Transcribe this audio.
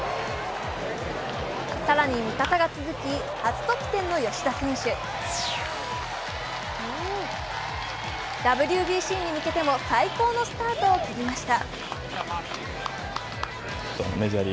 更に味方が続き、初得点の吉田選手ＷＢＣに向けても最高のスタートを切りました。